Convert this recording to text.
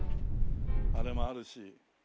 あれもあるし。